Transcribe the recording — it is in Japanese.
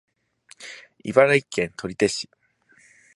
茨城県取手市